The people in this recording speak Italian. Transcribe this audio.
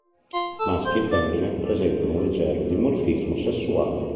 Maschi e femmine presentano un leggero dimorfismo sessuale.